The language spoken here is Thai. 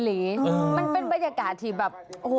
แล้วก็เพลงแบบอีสานมันได้บรรยาะก้าว